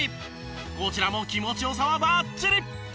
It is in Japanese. こちらも気持ち良さはバッチリ！